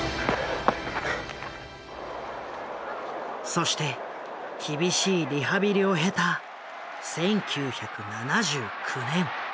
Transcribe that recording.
そして厳しいリハビリを経た１９７９年。